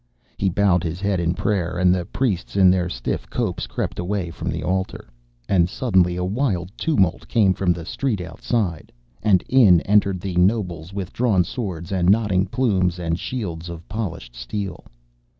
He bowed his head in prayer, and the priests in their stiff copes crept away from the altar. And suddenly a wild tumult came from the street outside, and in entered the nobles with drawn swords and nodding plumes, and shields of polished steel.